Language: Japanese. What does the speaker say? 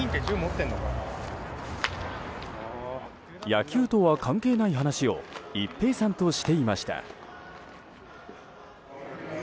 野球とは関係ない話を一平さんとしていました。